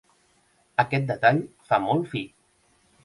Aquest detall fa molt fi.